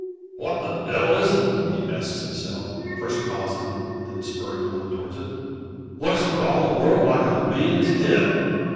"What the devil is it?" he asks himself, first pausing, and then spurring on towards it. "Looks lor all the world like a man's head!"